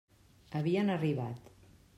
Havien arribat.